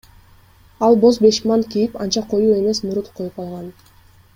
Ал боз бешмант кийип, анча коюу эмес мурут коюп алган.